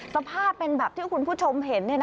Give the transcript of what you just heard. สภาพเป็นแบบที่คุณผู้ชมเห็น